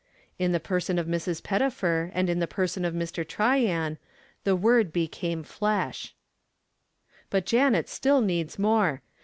In the person of Mrs. Pettifer and in the person of Mr. Tryan, 'the word became flesh.' But Janet still needs more!